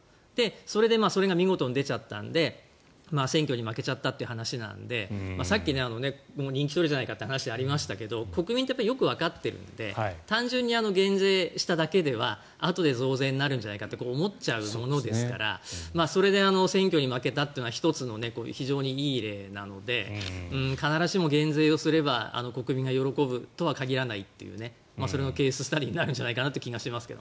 それでそれが見事に出ちゃったので選挙に負けちゃったという話なのでさっき人気取りじゃないかという話がありましたが国民ってよくわかってるので単純に減税しただけではあとで増税になるんじゃないかって思っちゃうものですからそれで選挙に負けたというのは１つの非常にいい例なので必ずしも減税をすれば国民が喜ぶとは限らないというそれのケーススタディーになる気がしますが。